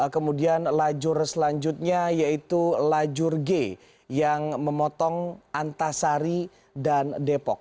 kemudian lajur selanjutnya yaitu lajur g yang memotong antasari dan depok